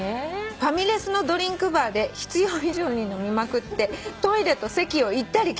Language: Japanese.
「ファミレスのドリンクバーで必要以上に飲みまくってトイレと席を行ったり来たり」